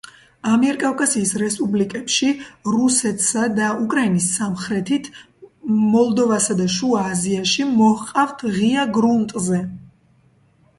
ამიერკავკასიის რესპუბლიკებში, რუსეთსა და უკრაინის სამხრეთით, მოლდოვასა და შუა აზიაში მოჰყავთ ღია გრუნტზე.